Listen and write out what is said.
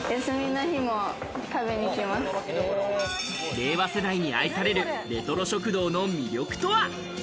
令和世代に愛されるレトロ食堂の魅力とは？